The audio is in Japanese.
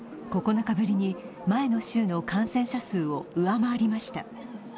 ９日ぶりに前の週の感染者数を上回りました。